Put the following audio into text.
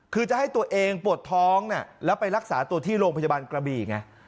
คือจะให้ตัวเองปวดท้องแล้วไปรักษาตัวที่โรงพยาบาลกระบี่ไง